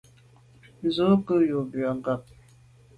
Ú sə̂’ nkwé yu nkàb.